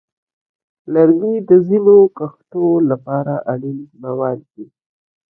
لرګي د ځینو کښتو لپاره اړین مواد دي.